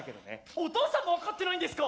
お父さんも分かってないんですか！？